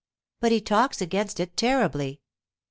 'But he talks against it terribly.